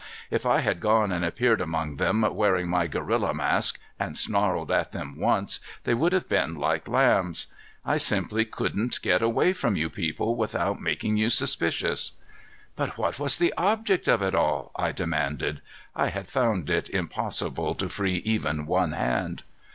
If I had gone and appeared among them, wearing my gorilla mask, and snarled at them once, they would have been like lambs. I simply couldn't, get away from you people without making you suspicious." "But what was the object of it all?" I demanded. I had found it impossible to free even one hand.